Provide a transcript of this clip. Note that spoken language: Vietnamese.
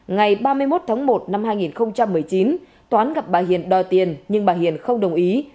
ngày ba mươi một tháng một năm hai nghìn một mươi chín toán gặp bà hiền đòi tiền nhưng bà hiền không đồng ý